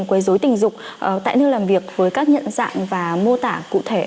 quấy dối tình dục tại nơi làm việc với các nhận dạng và mô tả cụ thể